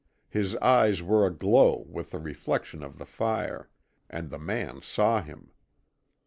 His eyes were aglow with the reflection of the fire. And the man saw him.